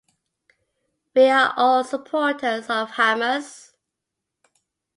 We are all supporters of Hamas.